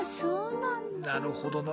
なるほどな。